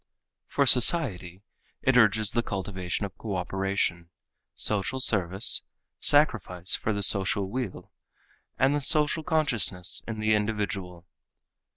For society it urges the cultivation of cooperation, social service, sacrifice for the social weal, and the social consciousness in the individual.